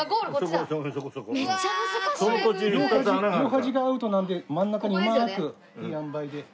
両端がアウトなんで真ん中にうまくいいあんばいで入れると。